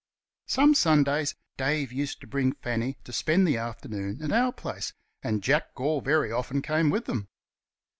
Some Sundays Dave used to bring Fanny to spend the afternoon at our place, and Jack Gore very often came with them.